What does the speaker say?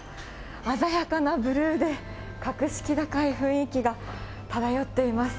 鮮やかなブルーで、格式高い雰囲気が漂っています。